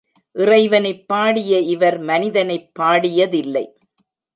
இறைவனைப் பாடிய இவர் மனிதனைப் பாடியதில்லை.